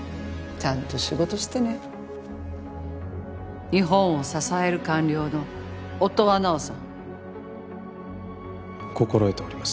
ちゃんと仕事してね日本を支える官僚の音羽尚さん心得ております